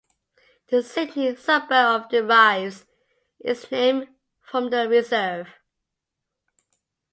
The Sydney suburb of derives its name from the reserve.